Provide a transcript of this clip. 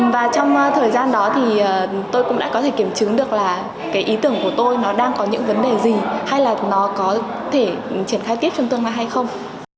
và trong thời gian đó thì tôi cũng đã có thể kiểm chứng được là cái ý tưởng của tôi nó đang có những vấn đề gì hay là nó có thể triển khai tiếp trong tương lai hay không